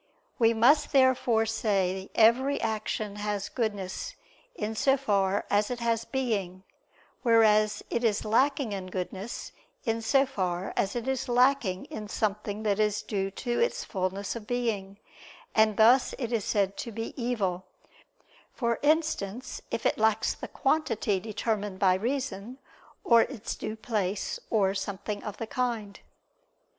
We must therefore say that every action has goodness, in so far as it has being; whereas it is lacking in goodness, in so far as it is lacking in something that is due to its fulness of being; and thus it is said to be evil: for instance if it lacks the quantity determined by reason, or its due place, or something of the kind.